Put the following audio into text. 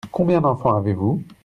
Combien d'enfants avez-vous ?